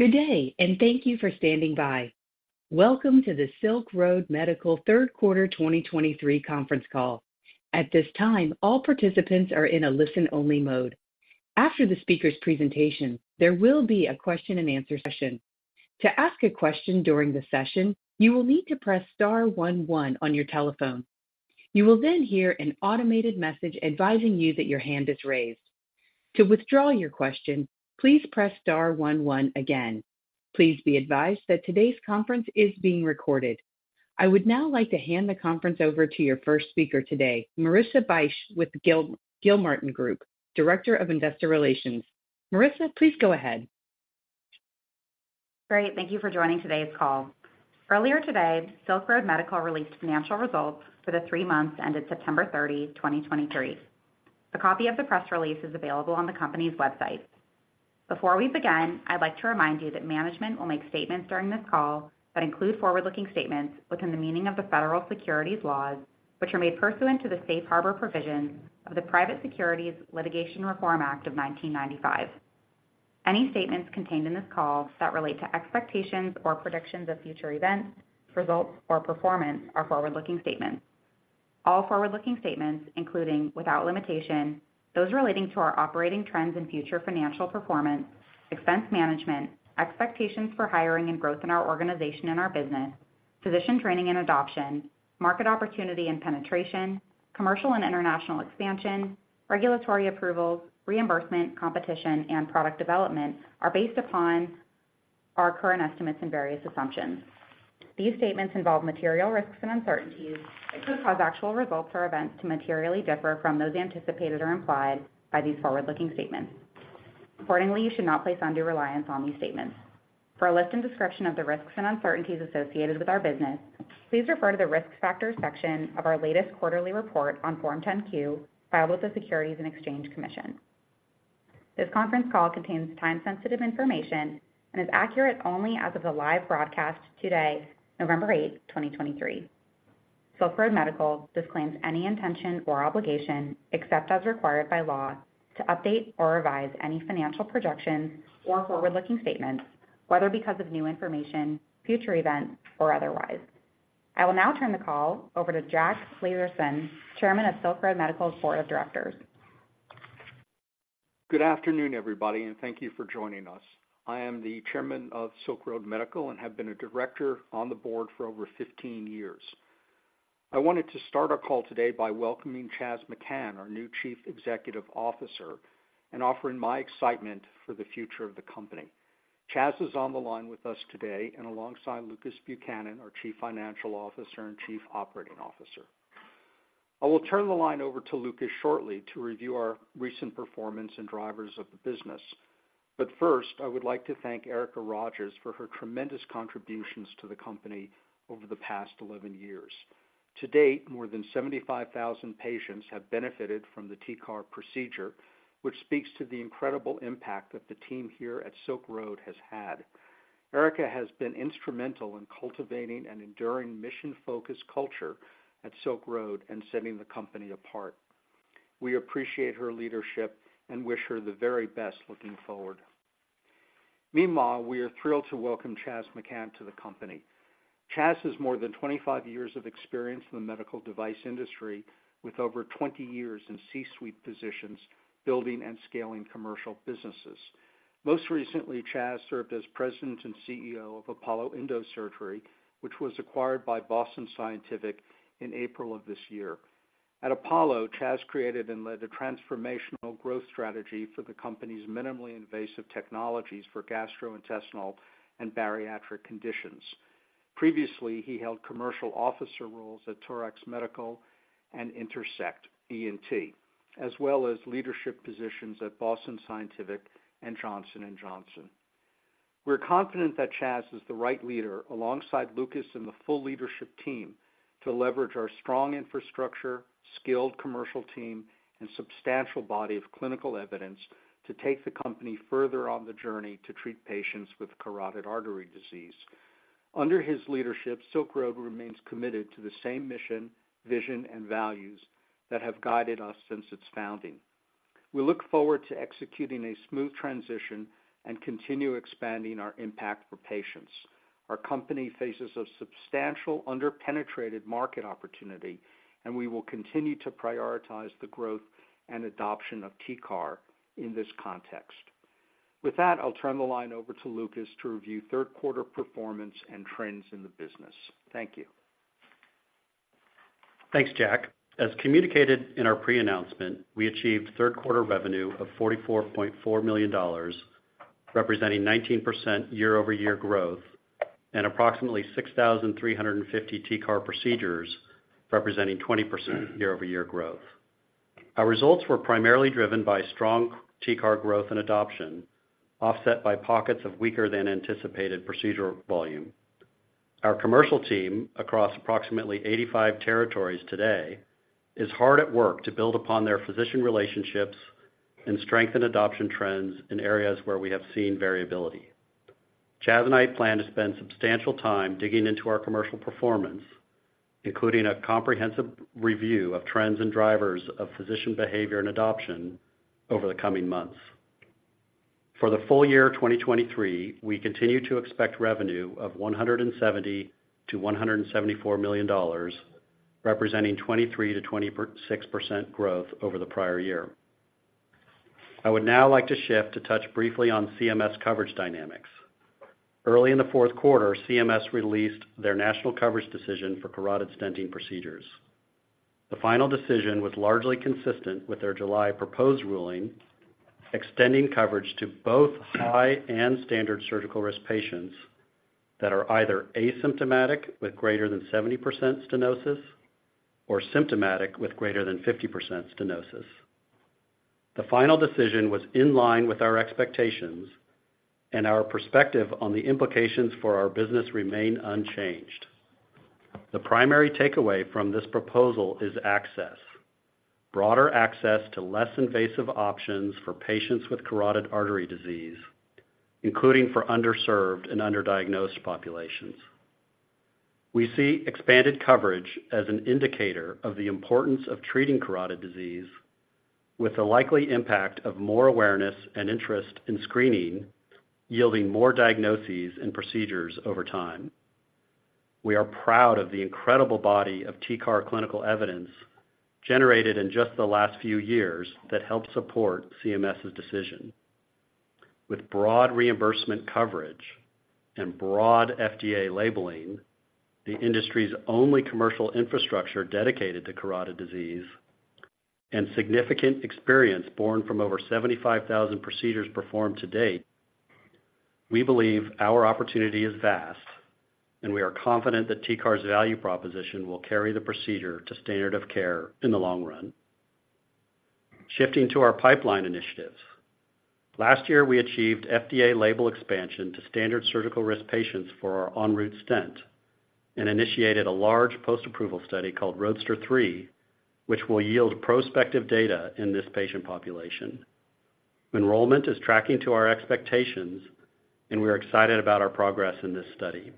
Good day, and thank you for standing by. Welcome to the Silk Road Medical third quarter 2023 conference call. At this time, all participants are in a listen-only mode. After the speaker's presentation, there will be a question-and-answer session. To ask a question during the session, you will need to press star one one on your telephone. You will then hear an automated message advising you that your hand is raised. To withdraw your question, please press star one one again. Please be advised that today's conference is being recorded. I would now like to hand the conference over to your first speaker today, Marissa Bych, with the Gilmartin Group, Director of Investor Relations. Marissa, please go ahead. Great, thank you for joining today's call. Earlier today, Silk Road Medical released financial results for the three months ended September 30, 2023. A copy of the press release is available on the company's website. Before we begin, I'd like to remind you that management will make statements during this call that include forward-looking statements within the meaning of the federal securities laws, which are made pursuant to the Safe Harbor provisions of the Private Securities Litigation Reform Act of 1995. Any statements contained in this call that relate to expectations or predictions of future events, results, or performance are forward-looking statements. All forward-looking statements, including, without limitation, those relating to our operating trends and future financial performance, expense management, expectations for hiring and growth in our organization and our business, physician training and adoption, market opportunity and penetration, commercial and international expansion, regulatory approvals, reimbursement, competition, and product development, are based upon our current estimates and various assumptions. These statements involve material risks and uncertainties that could cause actual results or events to materially differ from those anticipated or implied by these forward-looking statements. Accordingly, you should not place undue reliance on these statements. For a list and description of the risks and uncertainties associated with our business, please refer to the Risk Factors section of our latest quarterly report on Form 10-Q, filed with the Securities and Exchange Commission. This conference call contains time-sensitive information and is accurate only as of the live broadcast today, November 8, 2023. Silk Road Medical disclaims any intention or obligation, except as required by law, to update or revise any financial projections or forward-looking statements, whether because of new information, future events, or otherwise. I will now turn the call over to Jack Lasersohn, Chairman of Silk Road Medical's Board of Directors. Good afternoon, everybody, and thank you for joining us. I am the Chairman of Silk Road Medical and have been a Director on the Board for over 15 years. I wanted to start our call today by welcoming Chas McKhann, our new Chief Executive Officer, and offering my excitement for the future of the company. Chas is on the line with us today and alongside Lucas Buchanan, our Chief Financial Officer and Chief Operating Officer. I will turn the line over to Lucas shortly to review our recent performance and drivers of the business. But first, I would like to thank Erica Rogers for her tremendous contributions to the company over the past 11 years. To date, more than 75,000 patients have benefited from the TCAR procedure, which speaks to the incredible impact that the team here at Silk Road has had. Erica has been instrumental in cultivating an enduring mission-focused culture at Silk Road and setting the company apart. We appreciate her leadership and wish her the very best looking forward. Meanwhile, we are thrilled to welcome Chas McKhann to the company. Chas has more than 25 years of experience in the medical device industry, with over 20 years in C-suite positions, building and scaling commercial businesses. Most recently, Chas served as President and CEO of Apollo Endosurgery, which was acquired by Boston Scientific in April of this year. At Apollo, Chas created and led a transformational growth strategy for the company's minimally invasive technologies for gastrointestinal and bariatric conditions. Previously, he held commercial officer roles at Torax Medical and Intersect ENT, as well as leadership positions at Boston Scientific and Johnson & Johnson. We're confident that Chas is the right leader, alongside Lucas and the full leadership team, to leverage our strong infrastructure, skilled commercial team, and substantial body of clinical evidence to take the company further on the journey to treat patients with carotid artery disease. Under his leadership, Silk Road remains committed to the same mission, vision, and values that have guided us since its founding. We look forward to executing a smooth transition and continue expanding our impact for patients. Our company faces a substantial underpenetrated market opportunity, and we will continue to prioritize the growth and adoption of TCAR in this context. With that, I'll turn the line over to Lucas to review third-quarter performance and trends in the business. Thank you. Thanks, Jack. As communicated in our pre-announcement, we achieved third-quarter revenue of $44.4 million, representing 19% year-over-year growth and approximately 6,350 TCAR procedures, representing 20% year-over-year growth. Our results were primarily driven by strong TCAR growth and adoption, offset by pockets of weaker-than-anticipated procedural volume. Our commercial team, across approximately 85 territories today, is hard at work to build upon their physician relationships and strengthen adoption trends in areas where we have seen variability. Chas and I plan to spend substantial time digging into our commercial performance, including a comprehensive review of trends and drivers of physician behavior and adoption over the coming months. For the full year of 2023, we continue to expect revenue of $170 million-$174 million, representing 23%-26% growth over the prior year. I would now like to shift to touch briefly on CMS coverage dynamics. Early in the fourth quarter, CMS released their national coverage decision for carotid stenting procedures. The final decision was largely consistent with their July proposed ruling, extending coverage to both high and standard surgical risk patients that are either asymptomatic, with greater than 70% stenosis, or symptomatic, with greater than 50% stenosis. The final decision was in line with our expectations, and our perspective on the implications for our business remain unchanged. The primary takeaway from this proposal is access, broader access to less invasive options for patients with carotid artery disease, including for underserved and underdiagnosed populations. We see expanded coverage as an indicator of the importance of treating carotid disease, with the likely impact of more awareness and interest in screening, yielding more diagnoses and procedures over time. We are proud of the incredible body of TCAR clinical evidence generated in just the last few years that helped support CMS's decision. With broad reimbursement coverage and broad FDA labeling, the industry's only commercial infrastructure dedicated to carotid disease, and significant experience born from over 75,000 procedures performed to date, we believe our opportunity is vast, and we are confident that TCAR's value proposition will carry the procedure to standard of care in the long run. Shifting to our pipeline initiatives. Last year, we achieved FDA label expansion to standard surgical risk patients for our ENROUTE stent and initiated a large post-approval study called ROADSTER III, which will yield prospective data in this patient population. Enrollment is tracking to our expectations, and we are excited about our progress in this study.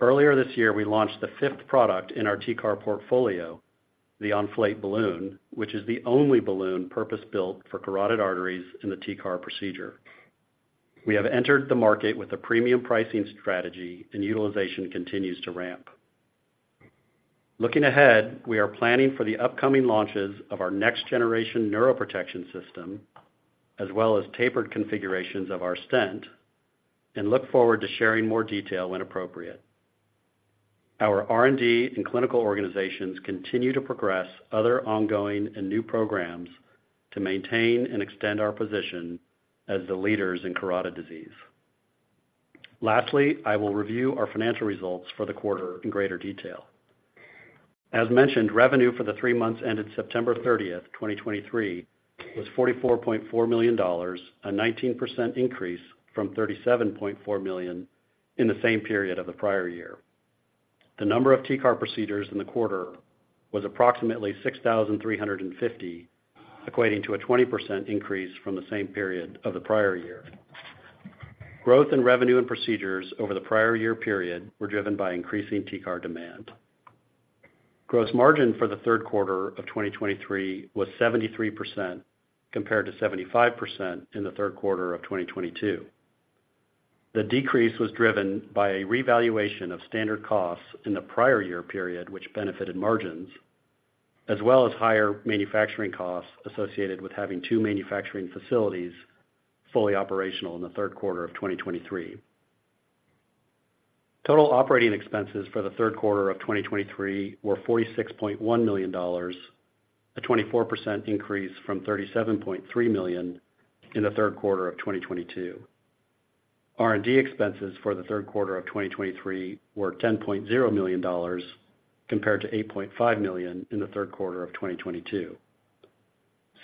Earlier this year, we launched the 5th product in our TCAR portfolio, the Enflate balloon, which is the only balloon purpose-built for carotid arteries in the TCAR procedure. We have entered the market with a premium pricing strategy, and utilization continues to ramp. Looking ahead, we are planning for the upcoming launches of our next-generation neuroprotection system, as well as tapered configurations of our stent, and look forward to sharing more detail when appropriate. Our R&D and clinical organizations continue to progress other ongoing and new programs to maintain and extend our position as the leaders in carotid disease. Lastly, I will review our financial results for the quarter in greater detail. As mentioned, revenue for the three months ended September 30th, 2023, was $44.4 million, a 19% increase from $37.4 million in the same period of the prior year. The number of TCAR procedures in the quarter was approximately 6,350, equating to a 20% increase from the same period of the prior year. Growth in revenue and procedures over the prior year period were driven by increasing TCAR demand. Gross margin for the third quarter of 2023 was 73%, compared to 75% in the third quarter of 2022. The decrease was driven by a revaluation of standard costs in the prior year period, which benefited margins, as well as higher manufacturing costs associated with having two manufacturing facilities fully operational in the third quarter of 2023. Total operating expenses for the third quarter of 2023 were $46.1 million, a 24% increase from $37.3 million in the third quarter of 2022. R&D expenses for the third quarter of 2023 were $10.0 million, compared to $8.5 million in the third quarter of 2022.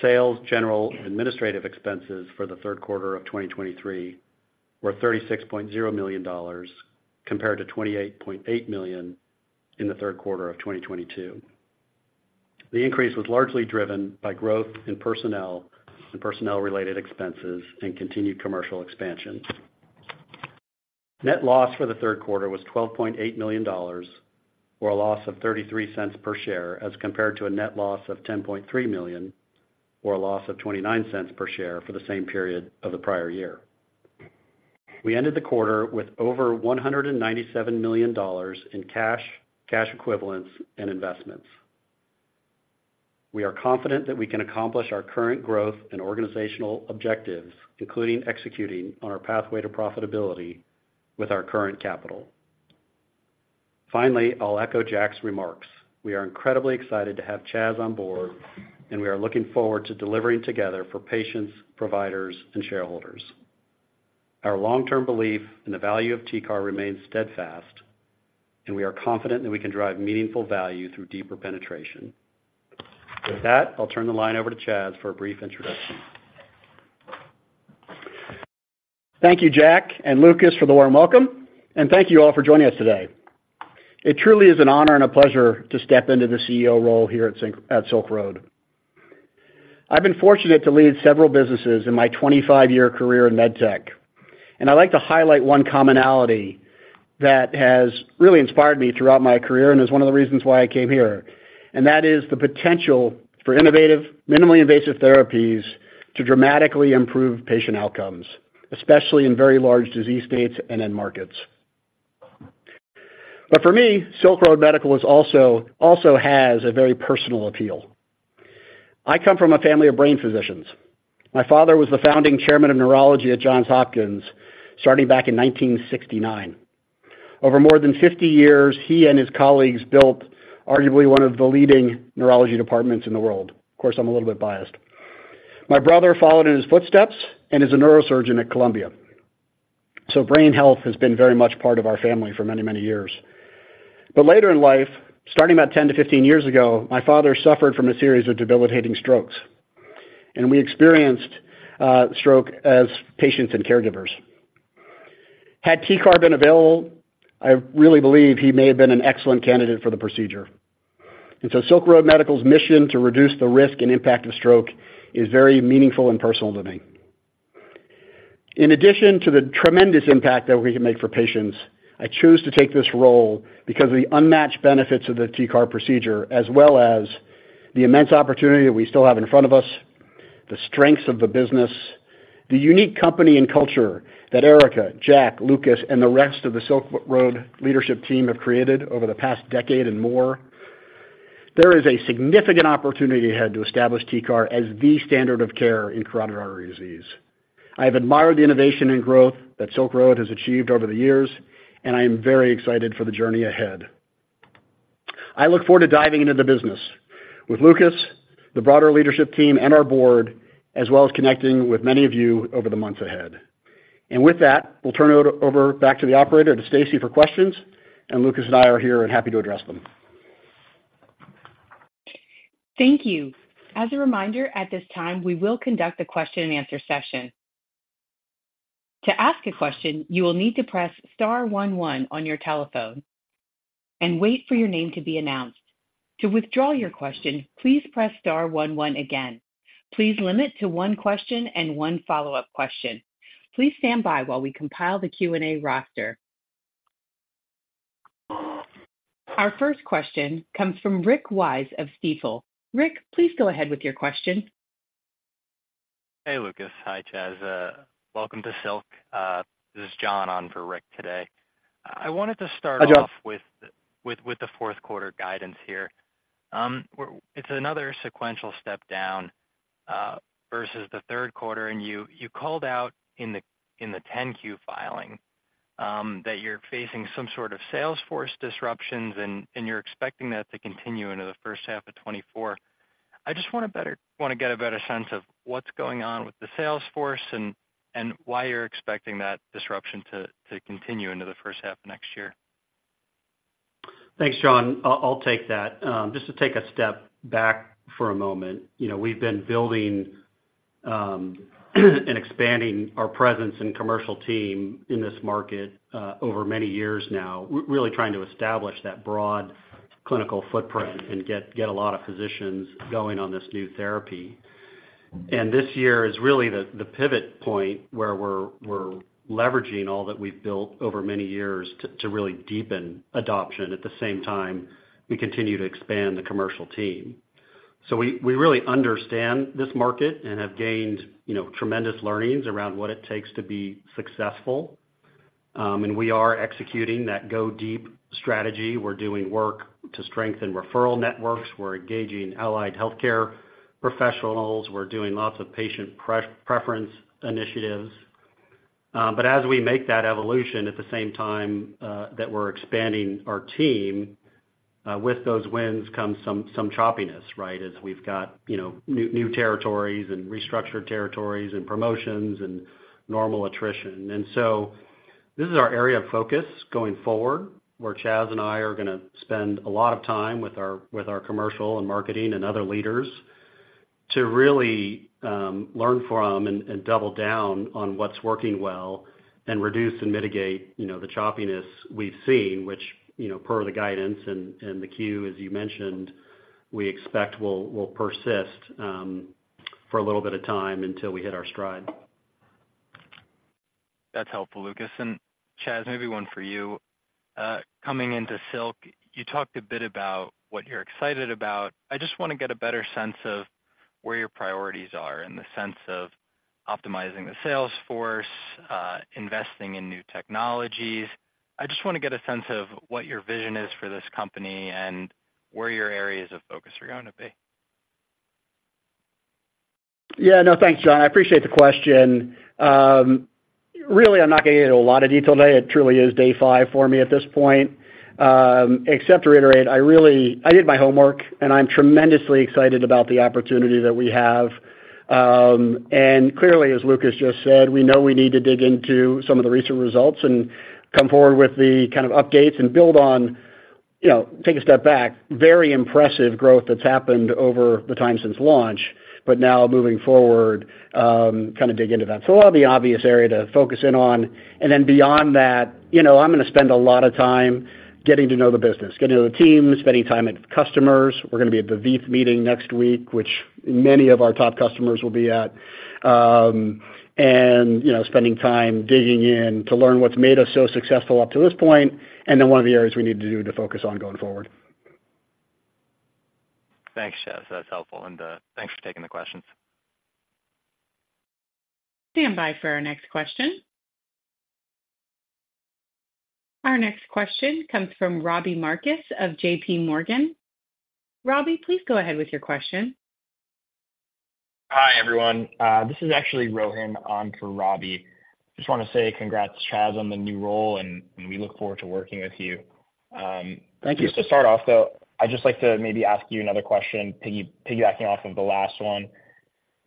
Sales, general, and administrative expenses for the third quarter of 2023 were $36.0 million, compared to $28.8 million in the third quarter of 2022. The increase was largely driven by growth in personnel and personnel-related expenses and continued commercial expansion. Net loss for the third quarter was $12.8 million, or a loss of $0.33 per share, as compared to a net loss of $10.3 million, or a loss of $0.29 per share, for the same period of the prior year. We ended the quarter with over $197 million in cash, cash equivalents, and investments. We are confident that we can accomplish our current growth and organizational objectives, including executing on our pathway to profitability with our current capital. Finally, I'll echo Jack's remarks: We are incredibly excited to have Chas on board, and we are looking forward to delivering together for patients, providers, and shareholders. Our long-term belief in the value of TCAR remains steadfast, and we are confident that we can drive meaningful value through deeper penetration. With that, I'll turn the line over to Chas for a brief introduction. Thank you, Jack and Lucas, for the warm welcome, and thank you all for joining us today. It truly is an honor and a pleasure to step into the CEO role here at Silk Road Medical. I've been fortunate to lead several businesses in my 25-year career in med tech, and I'd like to highlight one commonality that has really inspired me throughout my career and is one of the reasons why I came here, and that is the potential for innovative, minimally invasive therapies to dramatically improve patient outcomes, especially in very large disease states and end markets. But for me, Silk Road Medical also has a very personal appeal. I come from a family of brain physicians. My father was the Founding Chairman of Neurology at Johns Hopkins, starting back in 1969. Over more than 50 years, he and his colleagues built arguably one of the leading neurology departments in the world. Of course, I'm a little bit biased. My brother followed in his footsteps and is a neurosurgeon at Columbia. So brain health has been very much part of our family for many, many years. But later in life, starting about 10-15 years ago, my father suffered from a series of debilitating strokes, and we experienced stroke as patients and caregivers. Had TCAR been available, I really believe he may have been an excellent candidate for the procedure. And so Silk Road Medical's mission to reduce the risk and impact of stroke is very meaningful and personal to me. In addition to the tremendous impact that we can make for patients, I choose to take this role because of the unmatched benefits of the TCAR procedure, as well as the immense opportunity that we still have in front of us, the strengths of the business, the unique company and culture that Erica, Jack, Lucas, and the rest of the Silk Road leadership team have created over the past decade and more. There is a significant opportunity ahead to establish TCAR as the standard of care in carotid artery disease. I have admired the innovation and growth that Silk Road has achieved over the years, and I am very excited for the journey ahead. I look forward to diving into the business with Lucas, the broader leadership team, and our board, as well as connecting with many of you over the months ahead. With that, we'll turn it over back to the operator, to Stacy, for questions, and Lucas and I are here and happy to address them. Thank you. As a reminder, at this time, we will conduct a question-and-answer session. To ask a question, you will need to press star one one on your telephone and wait for your name to be announced. To withdraw your question, please press star one one again. Please limit to one question and one follow-up question. Please stand by while we compile the Q&A roster. Our first question comes from Rick Wise of Stifel. Rick, please go ahead with your question. Hey, Lucas. Hi, Chas. Welcome to Silk. This is John on for Rick today. I wanted to start off- Hi, John. With the fourth quarter guidance here. We're, it's another sequential step down versus the third quarter, and you called out in the 10-Q filing that you're facing some sort of sales force disruptions, and you're expecting that to continue into the first half of 2024. I want to get a better sense of what's going on with the sales force and why you're expecting that disruption to continue into the first half of next year. Thanks, John. I'll take that. Just to take a step back for a moment, you know, we've been building and expanding our presence and commercial team in this market over many years now, really trying to establish that broad clinical footprint and get a lot of physicians going on this new therapy. And this year is really the pivot point where we're leveraging all that we've built over many years to really deepen adoption. At the same time, we continue to expand the commercial team. So we really understand this market and have gained, you know, tremendous learnings around what it takes to be successful. And we are executing that go deep strategy. We're doing work to strengthen referral networks. We're engaging allied healthcare professionals. We're doing lots of patient preference initiatives. But as we make that evolution, at the same time, that we're expanding our team, with those wins comes some, some choppiness, right? As we've got, you know, new, new territories and restructured territories and promotions and normal attrition. And so this is our area of focus going forward, where Chas and I are going to spend a lot of time with our, with our commercial and marketing and other leaders to really, learn from and, and double down on what's working well and reduce and mitigate, you know, the choppiness we've seen, which, you know, per the guidance and, and the Q, as you mentioned, we expect will, will persist, for a little bit of time until we hit our stride. That's helpful, Lucas. And Chas, maybe one for you. Coming into Silk, you talked a bit about what you're excited about. I just want to get a better sense of where your priorities are in the sense of optimizing the sales force, investing in new technologies. I just want to get a sense of what your vision is for this company and where your areas of focus are going to be. Yeah, no, thanks, John. I appreciate the question. Really, I'm not going to get into a lot of detail today. It truly is day five for me at this point. Except to reiterate, I really I did my homework, and I'm tremendously excited about the opportunity that we have. And clearly, as Lucas just said, we know we need to dig into some of the recent results and come forward with the kind of updates and you know, take a step back, very impressive growth that's happened over the time since launch, but now moving forward, kind of dig into that. So that'll be the obvious area to focus in on. And then beyond that, you know, I'm going to spend a lot of time getting to know the business, getting to know the team, spending time with customers. We're going to be at the Veith meeting next week, which many of our top customers will be at. You know, spending time digging in to learn what's made us so successful up to this point, and then what are the areas we need to do to focus on going forward. Thanks, Chas. That's helpful. Thanks for taking the questions. Stand by for our next question. Our next question comes from Robbie Marcus of JPMorgan. Robbie, please go ahead with your question. Hi, everyone. This is actually Rohan on for Robbie. Just want to say congrats, Chas, on the new role, and we look forward to working with you. Thank you. Just to start off, though, I'd just like to maybe ask you another question, piggybacking off of the last one.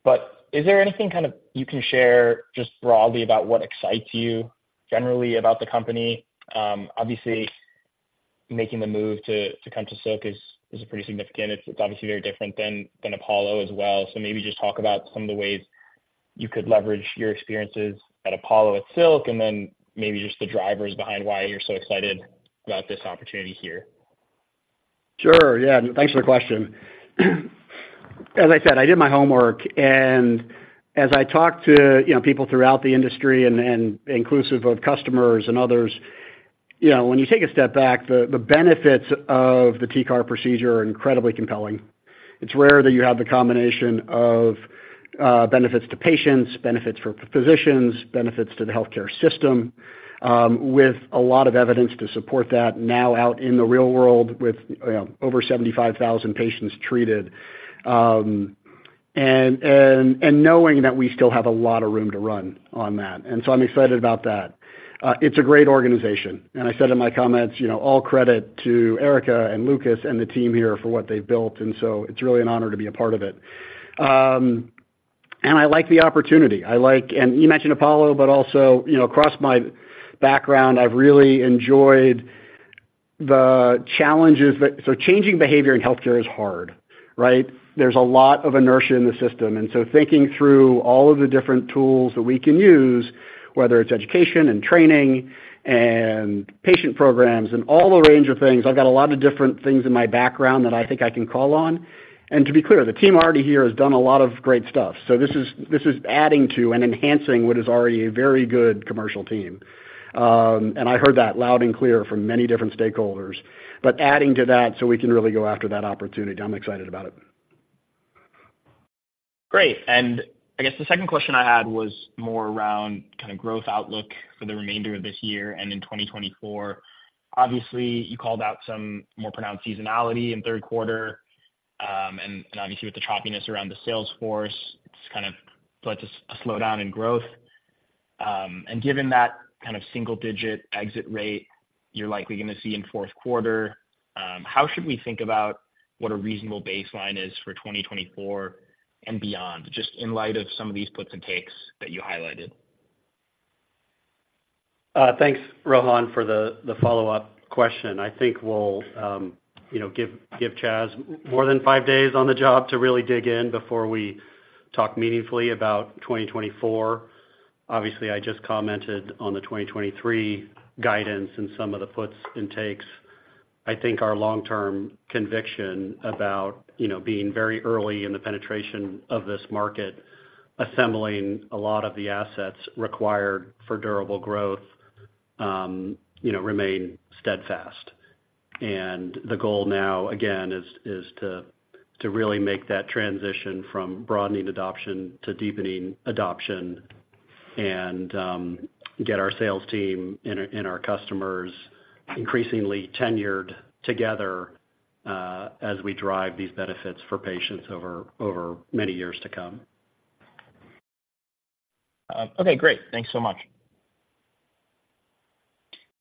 But is there anything kind of you can share just broadly about what excites you generally about the company? Obviously, making the move to come to Silk is pretty significant. It's obviously very different than Apollo as well. So maybe just talk about some of the ways you could leverage your experiences at Apollo with Silk, and then maybe just the drivers behind why you're so excited about this opportunity here. Sure. Yeah, thanks for the question. As I said, I did my homework, and as I talked to, you know, people throughout the industry and inclusive of customers and others, you know, when you take a step back, the benefits of the TCAR procedure are incredibly compelling. It's rare that you have the combination of benefits to patients, benefits for physicians, benefits to the healthcare system, with a lot of evidence to support that now out in the real world, with, you know, over 75,000 patients treated. And knowing that we still have a lot of room to run on that. And so I'm excited about that. It's a great organization, and I said in my comments, you know, all credit to Erica and Lucas and the team here for what they've built, and so it's really an honor to be a part of it. And I like the opportunity. And you mentioned Apollo, but also, you know, across my background, I've really enjoyed the challenges so changing behavior in healthcare is hard, right? There's a lot of inertia in the system, and so thinking through all of the different tools that we can use, whether it's education and training and patient programs and all the range of things, I've got a lot of different things in my background that I think I can call on. And to be clear, the team already here has done a lot of great stuff. So this is, this is adding to and enhancing what is already a very good commercial team. And I heard that loud and clear from many different stakeholders. But adding to that, so we can really go after that opportunity. I'm excited about it. Great. I guess the second question I had was more around kind of growth outlook for the remainder of this year and in 2024. Obviously, you called out some more pronounced seasonality in third quarter, and obviously, with the choppiness around the sales force, it's kind of led to a slowdown in growth. And given that kind of single-digit exit rate you're likely going to see in fourth quarter, how should we think about what a reasonable baseline is for 2024 and beyond, just in light of some of these puts and takes that you highlighted? Thanks, Rohan, for the follow-up question. I think we'll, you know, give Chas more than 5 days on the job to really dig in before we talk meaningfully about 2024. Obviously, I just commented on the 2023 guidance and some of the puts and takes. I think our long-term conviction about, you know, being very early in the penetration of this market, assembling a lot of the assets required for durable growth, you know, remain steadfast. And the goal now, again, is to really make that transition from broadening adoption to deepening adoption and get our sales team and our customers increasingly tenured together, as we drive these benefits for patients over many years to come. Okay, great. Thanks so much.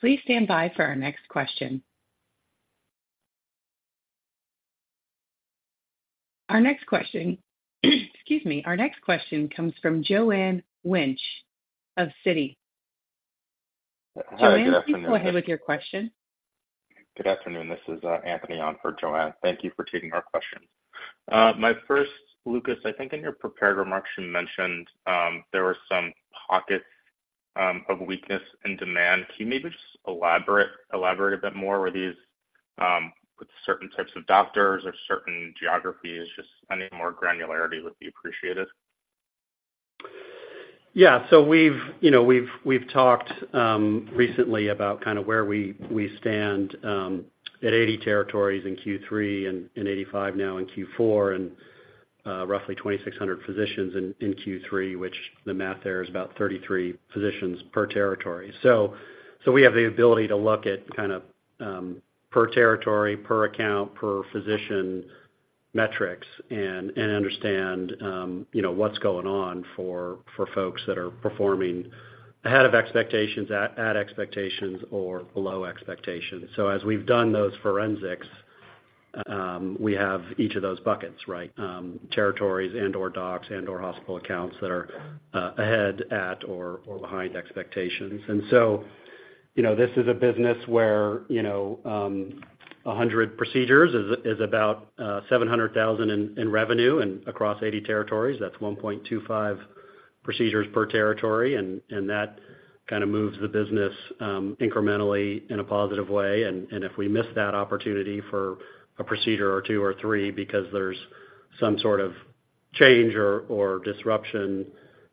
Please stand by for our next question. Our next question, excuse me. Our next question comes from Joanne Wuensch of Citi. Hi, good afternoon. Joanne, please go ahead with your question. Good afternoon. This is Anthony on for Joanne. Thank you for taking our question. My first, Lucas, I think in your prepared remarks, you mentioned there were some pockets of weakness and demand. Can you maybe just elaborate, elaborate a bit more? Were these with certain types of doctors or certain geographies? Just any more granularity would be appreciated. Yeah. So we've, you know, talked recently about kind of where we stand at 80 territories in Q3 and 85 now in Q4, and roughly 2,600 physicians in Q3, which the math there is about 33 physicians per territory. So we have the ability to look at kind of per territory, per account, per physician metrics and understand, you know, what's going on for folks that are performing ahead of expectations, at expectations, or below expectations. So as we've done those forensics, we have each of those buckets, right? Territories and or docs and or hospital accounts that are ahead, at, or behind expectations. And so, you know, this is a business where, you know, 100 procedures is about $700,000 in revenue and across 80 territories. That's 1.25 procedures per territory, and that kind of moves the business incrementally in a positive way. And if we miss that opportunity for a procedure or two or three because there's some sort of change or disruption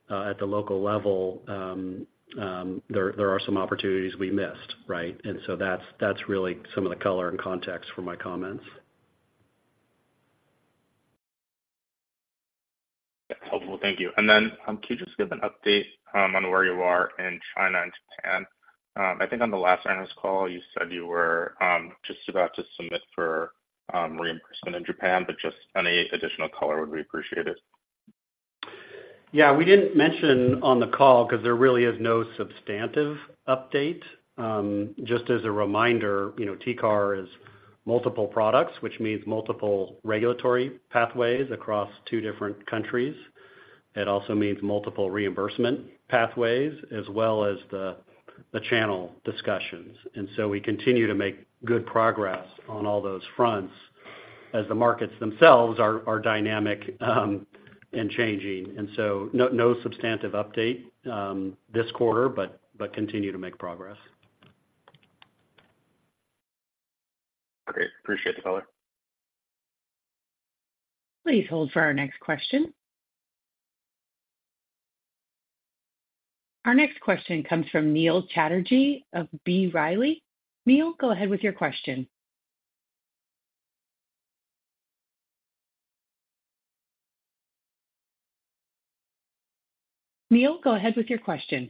at the local level, there are some opportunities we missed, right? And so that's really some of the color and context for my comments. helpful. Thank you. And then, can you just give an update, on where you are in China and Japan? I think on the last earnings call, you said you were, just about to submit for, reimbursement in Japan, but just any additional color would be appreciated. Yeah, we didn't mention on the call because there really is no substantive update. Just as a reminder, you know, TCAR is multiple products, which means multiple regulatory pathways across two different countries. It also means multiple reimbursement pathways as well as the, the channel discussions. And so we continue to make good progress on all those fronts as the markets themselves are dynamic, and changing. And so no, no substantive update, this quarter, but continue to make progress. Great. Appreciate the color. Please hold for our next question. Our next question comes from Neil Chatterji of B. Riley. Neil, go ahead with your question. Neil, go ahead with your question.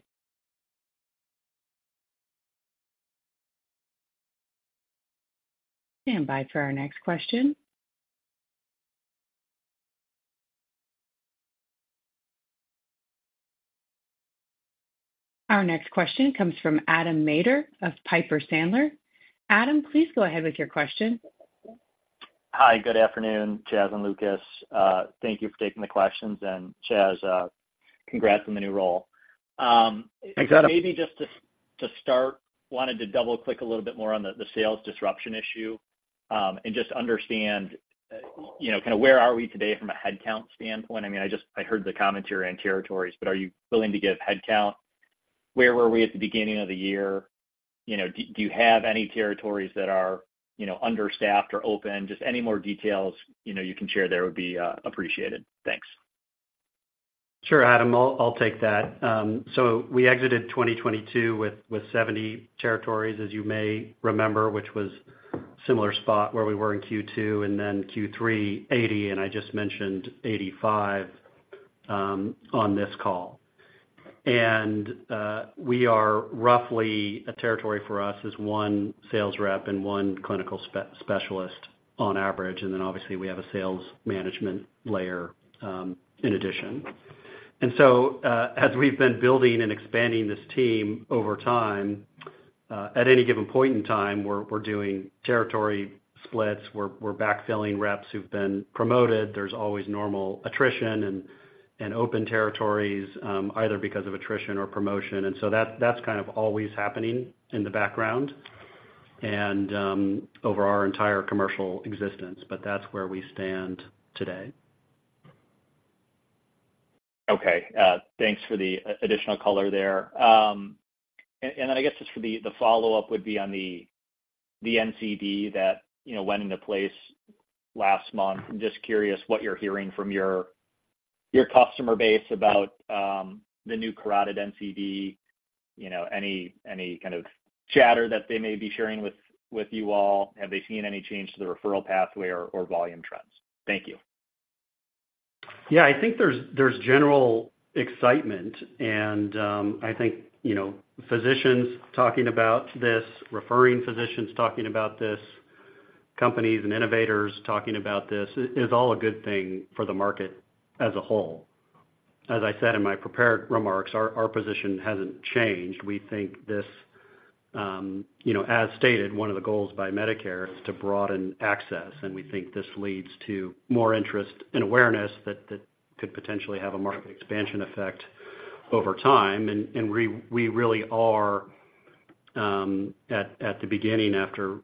Stand by for our next question. Our next question comes from Adam Maeder of Piper Sandler. Adam, please go ahead with your question. Hi, good afternoon, Chas and Lucas. Thank you for taking the questions. Chas, congrats on the new role. Thanks, Adam. Maybe just to start, wanted to double-click a little bit more on the sales disruption issue, and just understand, you know, kind of where are we today from a headcount standpoint? I mean, I just, I heard the commentary on territories, but are you willing to give headcount? Where were we at the beginning of the year? You know, do you have any territories that are, you know, understaffed or open? Just any more details, you know, you can share there would be appreciated. Thanks. Sure, Adam. I'll take that. So we exited 2022 with 70 territories, as you may remember, which was similar spot where we were in Q2 and then Q3, 80, and I just mentioned 85 on this call. And we are roughly a territory for us is one sales rep and one clinical specialist on average, and then obviously we have a sales management layer in addition. And so as we've been building and expanding this team over time, at any given point in time, we're doing territory splits, we're backfilling reps who've been promoted. There's always normal attrition and open territories either because of attrition or promotion. And so that's kind of always happening in the background and over our entire commercial existence. But that's where we stand today. Okay. Thanks for the additional color there. And, I guess just for the follow-up would be on the NCD that, you know, went into place last month. I'm just curious what you're hearing from your customer base about the new carotid NCD. You know, any kind of chatter that they may be sharing with you all? Have they seen any change to the referral pathway or volume trends? Thank you. Yeah, I think there's general excitement and, I think, you know, physicians talking about this, referring physicians talking about this, companies and innovators talking about this is all a good thing for the market as a whole. As I said in my prepared remarks, our position hasn't changed. We think this, you know, as stated, one of the goals by Medicare is to broaden access, and we think this leads to more interest and awareness that could potentially have a market expansion effect over time. And we really are at the beginning after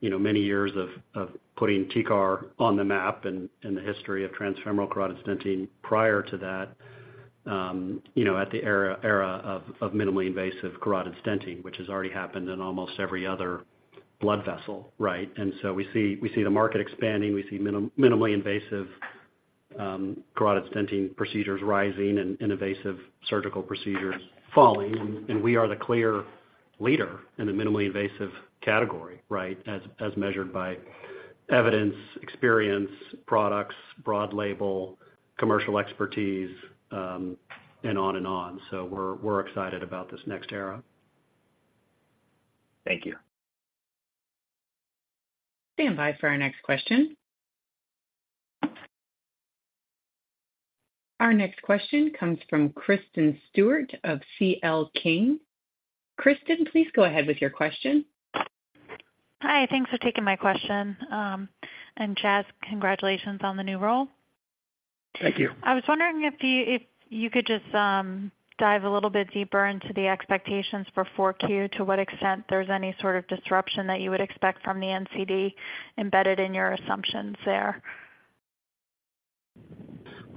you know, many years of putting TCAR on the map and in the history of transfemoral carotid stenting prior to that, you know, at the era of minimally invasive carotid stenting, which has already happened in almost every other blood vessel, right? And so we see, we see the market expanding, we see minimally invasive carotid stenting procedures rising and invasive surgical procedures falling, and we are the clear leader in the minimally invasive category, right? As measured by evidence, experience, products, broad label, commercial expertise, and on and on. So we're excited about this next era. Thank you. Stand by for our next question. Our next question comes from Kristen Stewart of CL King. Kristin, please go ahead with your question. Hi, thanks for taking my question. Chas, congratulations on the new role. Thank you. I was wondering if you could just dive a little bit deeper into the expectations for Q4, to what extent there's any sort of disruption that you would expect from the NCD embedded in your assumptions there?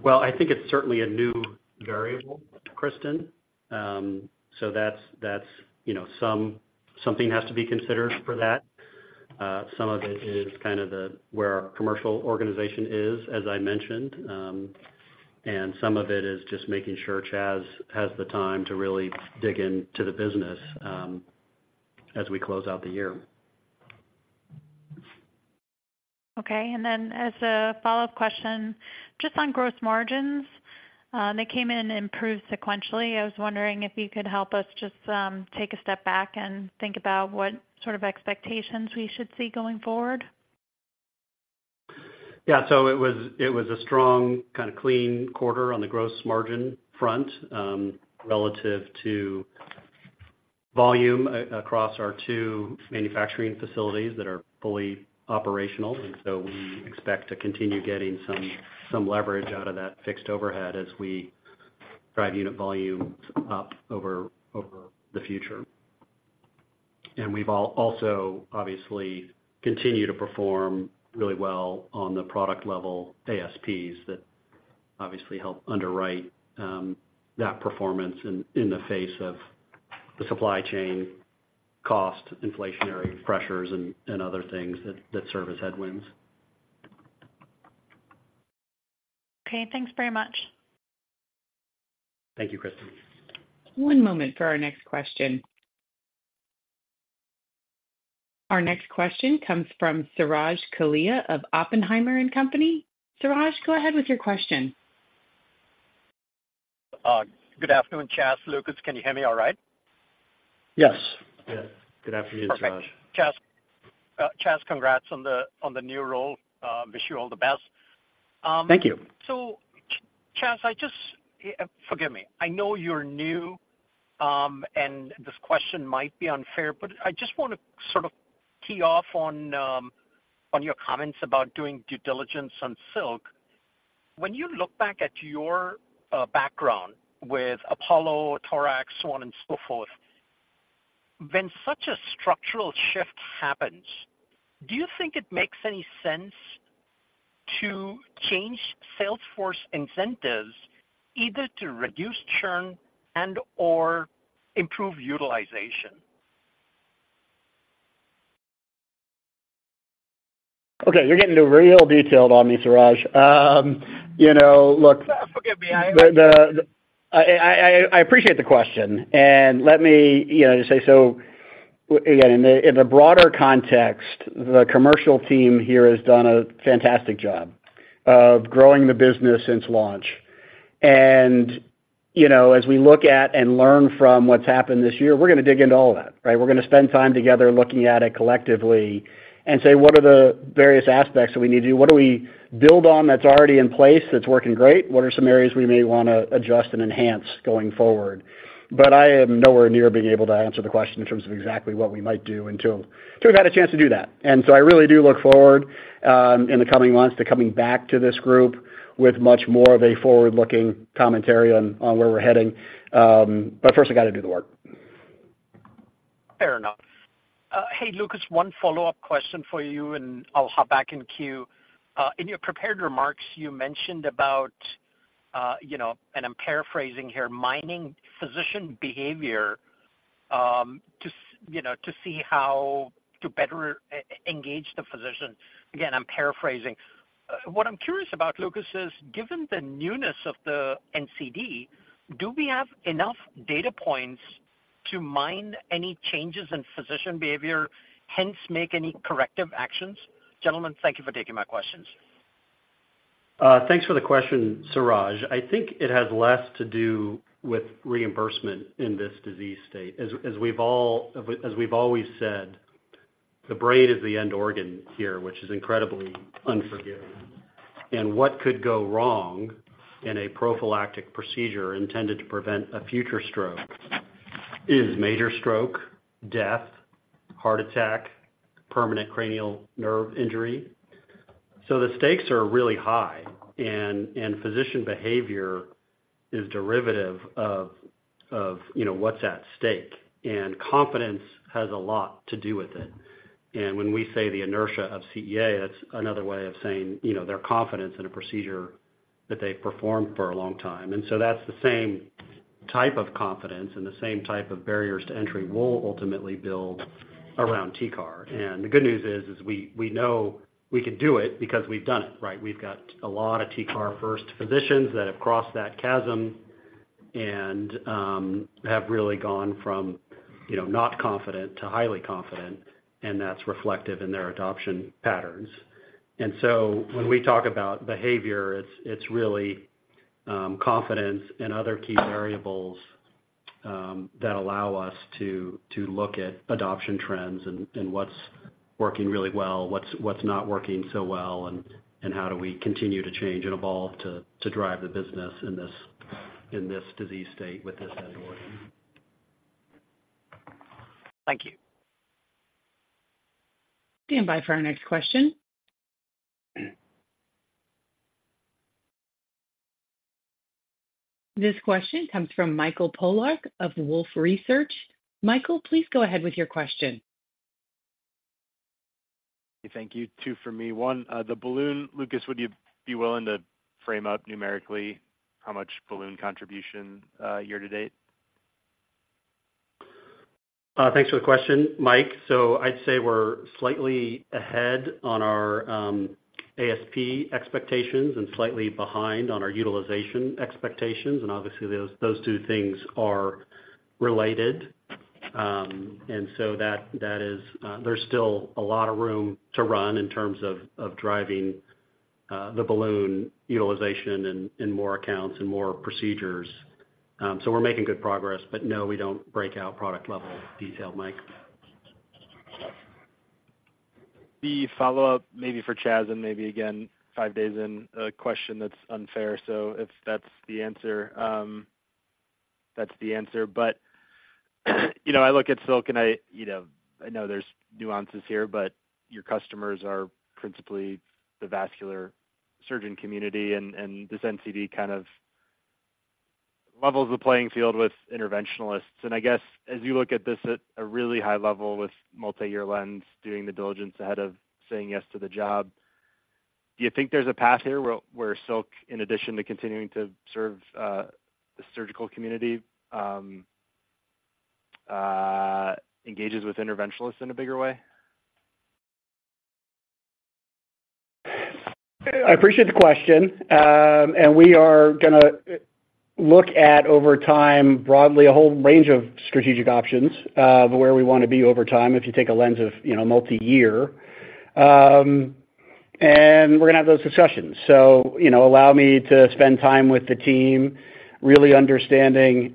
Well, I think it's certainly a new variable, Kristin. So that's, that's, you know, something has to be considered for that. Some of it is kind of where our commercial organization is, as I mentioned, and some of it is just making sure Chas has the time to really dig into the business, as we close out the year. Okay. And then as a follow-up question, just on gross margins, they came in improved sequentially. I was wondering if you could help us just take a step back and think about what sort of expectations we should see going forward. Yeah. So it was a strong, kind of clean quarter on the gross margin front, relative to volume across our two manufacturing facilities that are fully operational, and so we expect to continue getting some leverage out of that fixed overhead as we drive unit volumes up over the future. And we've also obviously continued to perform really well on the product level ASPs that obviously help underwrite that performance in the face of the supply chain cost, inflationary pressures and other things that serve as headwinds. Okay, thanks very much. Thank you, Kristen. One moment for our next question. Our next question comes from Suraj Kalia of Oppenheimer & Company. Suraj, go ahead with your question. Good afternoon, Chas, Lucas. Can you hear me all right? Yes. Yes. Good afternoon, Suraj. Perfect. Chas, congrats on the new role. Wish you all the best. Thank you. So, Chas, I just, forgive me, I know you're new, and this question might be unfair, but I just want to sort of tee off on your comments about doing due diligence on Silk. When you look back at your background with Apollo, Torax, so on and so forth, when such a structural shift happens, do you think it makes any sense to change salesforce incentives either to reduce churn and or improve utilization? Okay, you're getting real detailed on me, Suraj. You know, look. Forgive me, I. I appreciate the question, and let me, you know, just say so, again, in the broader context, the commercial team here has done a fantastic job of growing the business since launch. And, you know, as we look at and learn from what's happened this year, we're gonna dig into all of that, right? We're gonna spend time together looking at it collectively and say, what are the various aspects that we need to do? What do we build on that's already in place, that's working great? What are some areas we may wanna adjust and enhance going forward? But I am nowhere near being able to answer the question in terms of exactly what we might do until we've had a chance to do that. And so I really do look forward, in the coming months, to coming back to this group with much more of a forward-looking commentary on where we're heading. But first I got to do the work. Fair enough. Hey, Lucas, one follow-up question for you, and I'll hop back in queue. In your prepared remarks, you mentioned about, you know, and I'm paraphrasing here, mining physician behavior to see how to better engage the physician. Again, I'm paraphrasing. What I'm curious about, Lucas, is given the newness of the NCD, do we have enough data points to mine any changes in physician behavior, hence, make any corrective actions? Gentlemen, thank you for taking my questions. Thanks for the question, Suraj. I think it has less to do with reimbursement in this disease state. As we've always said, the brain is the end organ here, which is incredibly unforgiving. And what could go wrong in a prophylactic procedure intended to prevent a future stroke is major stroke, death, heart attack, permanent cranial nerve injury. So the stakes are really high, and physician behavior is derivative of, you know, what's at stake, and confidence has a lot to do with it. And when we say the inertia of CEA, that's another way of saying, you know, their confidence in a procedure that they've performed for a long time. And so that's the same type of confidence and the same type of barriers to entry we'll ultimately build around TCAR. The good news is, we know we can do it because we've done it, right? We've got a lot of TCAR-first physicians that have crossed that chasm and have really gone from, you know, not confident to highly confident, and that's reflective in their adoption patterns. So when we talk about behavior, it's really confidence and other key variables that allow us to look at adoption trends and what's working really well, what's not working so well, and how do we continue to change and evolve to drive the business in this disease state with this indicator. Thank you. Stand by for our next question. This question comes from Michael Polark of Wolfe Research. Michael, please go ahead with your question. Thank you. Two for me. One, the balloon. Lucas, would you be willing to frame up numerically how much balloon contribution, year-to-date? Thanks for the question, Mike. So I'd say we're slightly ahead on our ASP expectations and slightly behind on our utilization expectations, and obviously, those two things are related. And so that is. There's still a lot of room to run in terms of driving the balloon utilization in more accounts and more procedures. So we're making good progress, but no, we don't break out product-level detail, Mike. The follow-up, maybe for Chas, and maybe again, five days in a question that's unfair. So if that's the answer, that's the answer. But, you know, I look at Silk, and I, you know, I know there's nuances here, but your customers are principally the vascular surgeon community, and this NCD kind of levels the playing field with interventionalists. And I guess, as you look at this at a really high level with multi-year lens, doing the diligence ahead of saying yes to the job, do you think there's a path here where Silk, in addition to continuing to serve the surgical community, engages with interventionalists in a bigger way? I appreciate the question. And we are gonna look at, over time, broadly, a whole range of strategic options of where we wanna be over time, if you take a lens of, you know, multi-year. And we're gonna have those discussions. So, you know, allow me to spend time with the team, really understanding,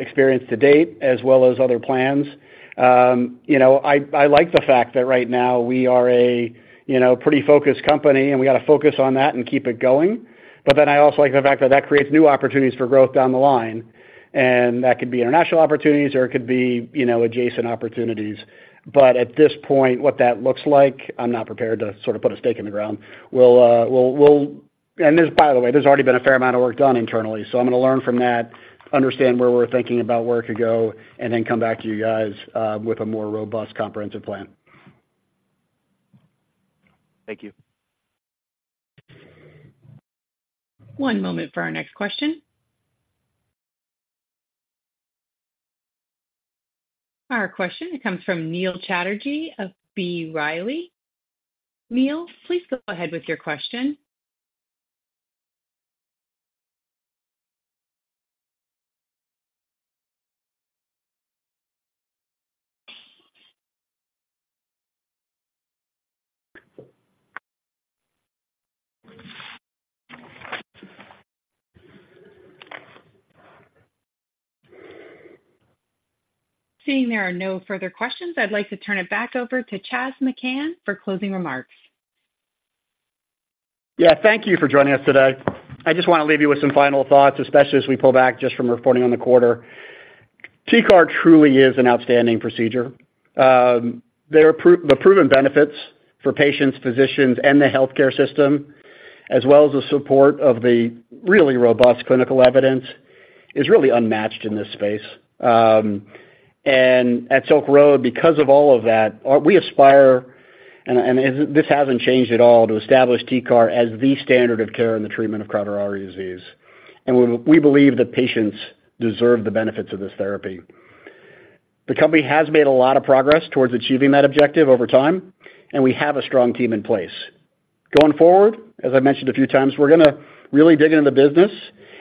experience to date as well as other plans. You know, I like the fact that right now we are a, you know, pretty focused company, and we gotta focus on that and keep it going. But then I also like the fact that that creates new opportunities for growth down the line, and that could be international opportunities or it could be, you know, adjacent opportunities. But at this point, what that looks like, I'm not prepared to sort of put a stake in the ground. We'll – and there's, by the way, already been a fair amount of work done internally, so I'm gonna learn from that, understand where we're thinking about where it could go, and then come back to you guys with a more robust comprehensive plan. Thank you. One moment for our next question. Our question comes from Neil Chatterji of B. Riley. Neil, please go ahead with your question. Seeing there are no further questions, I'd like to turn it back over to Chas McKhann for closing remarks. Yeah, thank you for joining us today. I just wanna leave you with some final thoughts, especially as we pull back just from reporting on the quarter. TCAR truly is an outstanding procedure. There are the proven benefits for patients, physicians, and the healthcare system, as well as the support of the really robust clinical evidence, is really unmatched in this space. And at Silk Road, because of all of that, we aspire, and this hasn't changed at all, to establish TCAR as the standard of care in the treatment of chronic CAD disease. We believe that patients deserve the benefits of this therapy. The company has made a lot of progress towards achieving that objective over time, and we have a strong team in place. Going forward, as I mentioned a few times, we're gonna really dig into the business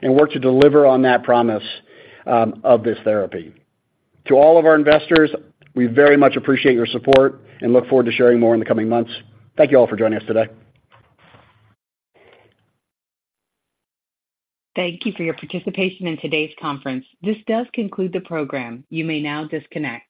and work to deliver on that promise of this therapy. To all of our investors, we very much appreciate your support and look forward to sharing more in the coming months. Thank you all for joining us today. Thank you for your participation in today's conference. This does conclude the program. You may now disconnect.